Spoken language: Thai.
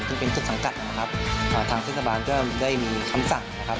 ก็เป็นจุดสังกัดนะครับอ่าทางทฤษฐาบาลก็ได้มีคำสั่งนะครับ